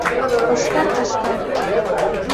Пашкар, пашкар.